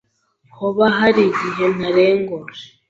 Hoba hari igihe ntarengwa?